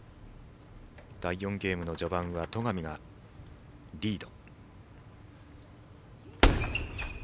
第４ゲームの序盤は戸上がリード。